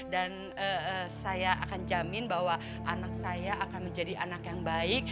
dan saya akan jamin bahwa anak saya akan menjadi anak yang baik